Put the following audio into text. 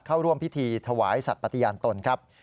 เข้าร่วมพิธีถวายสัตว์ปฏิญาณตนครับ